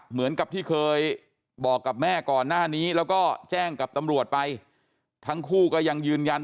เหมือนกับที่เคยบอกกับแม่ก่อนหน้านี้แล้วก็แจ้งกับตำรวจไปทั้งคู่ก็ยังยืนยัน